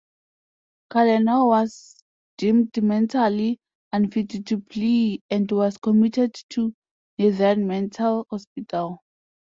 Challenor was deemed mentally unfit to plead and was committed to Netherne mental hospital.